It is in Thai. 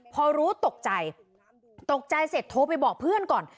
พอรู้ตกใจตกใจเสร็จโทรไปบอกเพื่อนก่อน